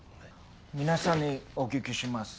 皆さんにお聞きします。